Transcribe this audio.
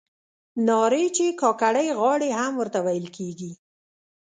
نارې چې کاکړۍ غاړې هم ورته ویل کیږي.